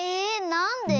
なんで？